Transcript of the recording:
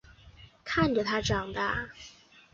看着他长大